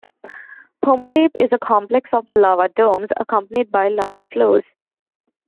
Pomerape is a complex of lava domes, accompanied by lava flows.